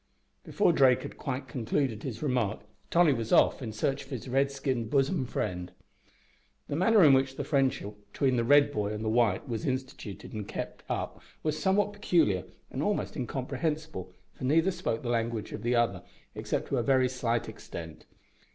Before Drake had quite concluded his remark Tolly was off in search of his red skinned bosom friend. The manner in which the friendship between the red boy and the white was instituted and kept up was somewhat peculiar and almost incomprehensible, for neither spoke the language of the other except to a very slight extent.